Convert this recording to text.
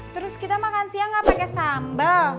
terus kita makan siang gak pakai sambal